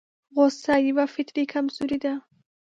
غوسه يوه فطري کمزوري ده.